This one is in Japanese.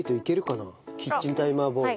キッチンタイマーボーイ。